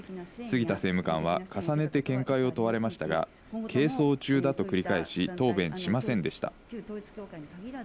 杉田政務官は重ねて見解を問われましたが、係争中だと繰り返し、答弁しませんでした。